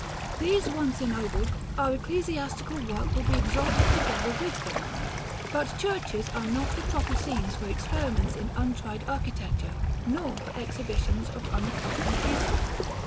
These once ennobled, our ecclesiastical work will be exalted together with them: but churches are not the proper scenes for experiments in untried architecture, nor for exhibitions of unaccustomed beauty.